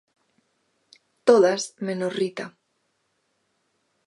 Todas menos Rita.